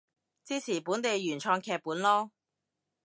支持本地原創劇本囉